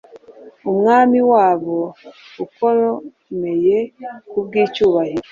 umwami wabo ukomeyekubwicyubahiro